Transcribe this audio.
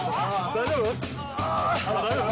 大丈夫？